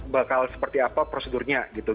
bakal seperti apa prosedurnya gitu